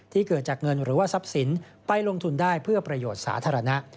เกิดจากเงินหรือว่าทรัพย์สินไปลงทุนได้เพื่อประโยชน์สาธารณะ